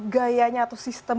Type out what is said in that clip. ganyanya atau sistem